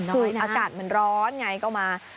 คืออากาศมันร้อนไงก็มา